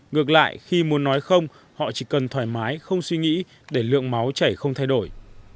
ngược lại khi muốn nói không họ chỉ cần thoải mái không suy nghĩ để lượng máu chảy không thay đổi